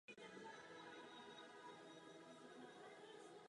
Nějak se jí podaří přinést něco pololidského v něm.